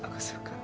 kamu suka senta nuh